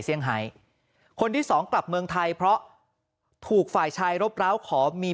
ไฮคนที่สองกลับเมืองไทยเพราะถูกฝ่ายชายรบร้าวขอมี